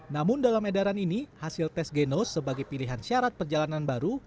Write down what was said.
namun dalam edaran ini hasil tes genos sebagai pilihan syarat perjalanan baru